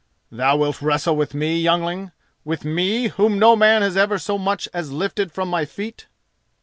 "Thou wilt wrestle with me, youngling—with me whom no man has ever so much as lifted from my feet?